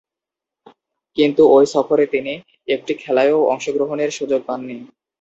কিন্তু ঐ সফরে তিনি একটি খেলায়ও অংশগ্রহণের সুযোগ পাননি।